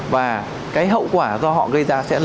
và cái hậu quả do họ gây ra sẽ lớn